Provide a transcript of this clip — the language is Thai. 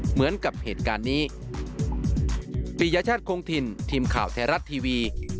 เหมือนกับเหตุการณ์นี้